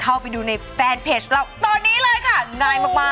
เข้าไปดูในแฟนเพจเราตอนนี้เลยค่ะง่ายมาก